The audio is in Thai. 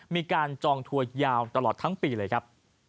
มีการจองถั่วยาวตลอดทั้งปีเลยครับ